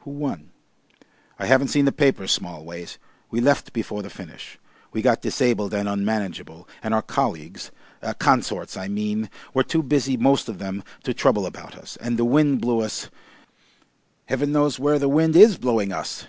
"Who won?" "I haven't seen the papers, Smallways. We left before the finish. We got disabled and unmanageable, and our colleagues consorts I mean were too busy most of them to trouble about us, and the wind blew us Heaven knows where the wind IS blowing us.